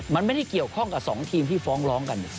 มันไม่ได้เกี่ยวข้องกับ๒ทีมที่ฟ้องร้องกัน